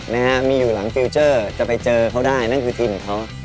นะฮะมีอยู่หลังฟิลเจอร์จะไปเจอเขาได้นั่นคือทีมของเขา